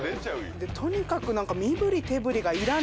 とにかく何か。